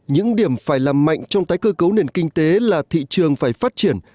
những điểm phải làm mạnh trong tái cơ cấu nền kinh tế là thị trường phải phát triển